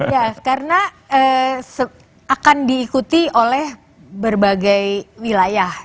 ya karena akan diikuti oleh berbagai wilayah